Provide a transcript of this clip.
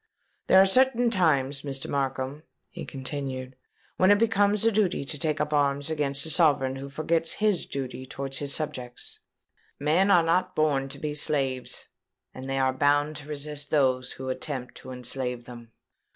"There are certain times, Mr. Markham," he continued, "when it becomes a duty to take up arms against a sovereign who forgets his duty towards his subjects. Men are not born to be slaves; and they are bound to resist those who attempt to enslave them."